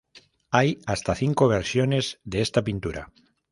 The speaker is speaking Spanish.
Hay hasta cinco versiones de esta pintura.